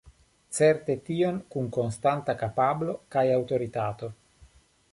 Certe tion kun konstanta kapablo kaj aŭtoritato.